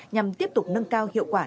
nhằm tiếp tục nâng cao hiệu quả